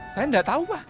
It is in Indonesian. saya nggak tahu pak